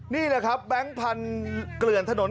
นี่แหละครับแบงค์พันธุ์เกลื่อนถนน